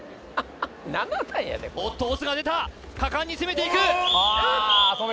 おっと押忍が出た果敢に攻めていく止め！